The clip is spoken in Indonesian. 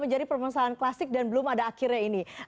menjadi permasalahan klasik dan belum ada akhirnya ini